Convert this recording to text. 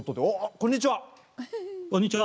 こんにちは！